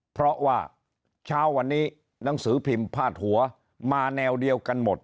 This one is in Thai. เพราะว่าเช้าวันนี้หนังสือพิมพ์พาดหัวมาแนวเดียวกันหมด